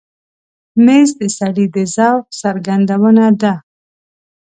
مېز د سړي د ذوق څرګندونه ده.